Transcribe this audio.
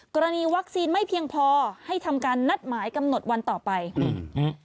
กรณีวัคซีนไม่เพียงพอให้ทำการนัดหมายกำหนดวันต่อไปอืม